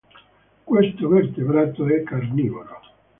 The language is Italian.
Questo vertebrato è carnivoro.